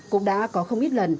cũng đã có không ít lời khuyên